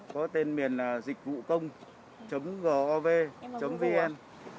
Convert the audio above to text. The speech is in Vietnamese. có tên miền là dịchvụcông gov vn